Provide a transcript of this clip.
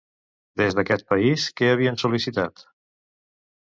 Des d'aquest país, què havien sol·licitat?